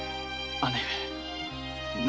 姉上！